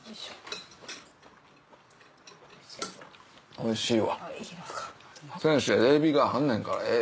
おいしいわ。ねぇ。